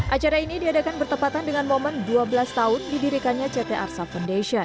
acara ini diadakan bertepatan dengan momen dua belas tahun didirikannya ct arsa foundation